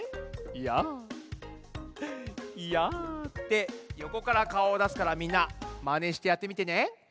「やあ」ってよこからかおをだすからみんなマネしてやってみてね。